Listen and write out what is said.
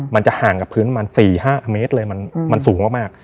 มันจะห่างกับพื้นประมาณ๔๕เมตรเลยมันสูงมาก